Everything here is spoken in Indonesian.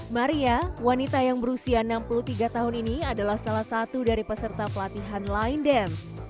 maria wanita yang berusia enam puluh tiga tahun ini adalah salah satu dari peserta pelatihan line dance